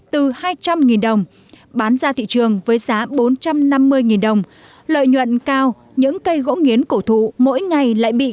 từ hai trăm linh triệu đồng một chiếc thớt gỗ nghiến mang được ra khỏi cửa rừng đã có giá trị